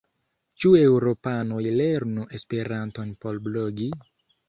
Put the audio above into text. Ĉu eŭropanoj lernu Esperanton por blogi?